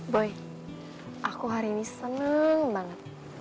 boy aku hari ini seneng banget